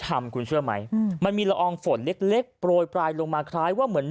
ทำคุณเชื่อไหมมันมีละอองฝนเล็กเล็กโปรยปลายลงมาคล้ายว่าเหมือน